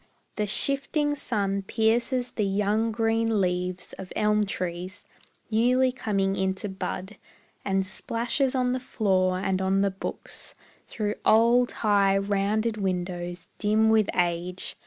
The shifting sun pierces the young green leaves Of elm trees, newly coming into bud, And splashes on the floor and on the books Through old, high, rounded windows, dim with age.